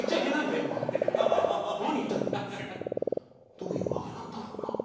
どういうわけなんだろうな？